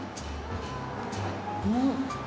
うん！